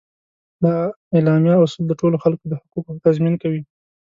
د اعلامیه اصول د ټولو خلکو د حقوقو تضمین کوي.